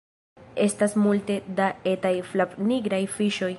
Estas multe da etaj flavnigraj fiŝoj